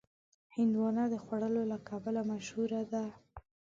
هندوانه د خوږوالي له کبله مشهوره ده.